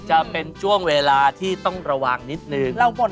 จะเป็นช่วงเวลาที่ต้องระวังนิดนึง